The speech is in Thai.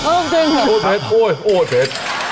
โอ๋เผ็ดโอ๋เผ็ด